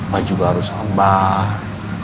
papa juga harus sabar